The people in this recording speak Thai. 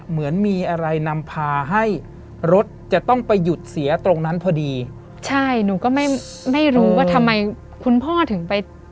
เหมือนมีอะไรนำพาให้รถจะต้องไปหยุดเสียตรงนั้นพอดีใช่หนูก็ไม่ไม่รู้ว่าทำไมคุณพ่อถึงไป